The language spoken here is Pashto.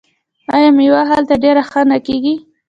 آیا میوه هلته ډیره ښه نه کیږي؟